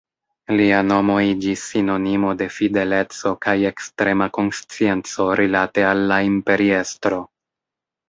Lia nomo iĝis sinonimo de fideleco kaj ekstrema konscienco rilate al la imperiestro.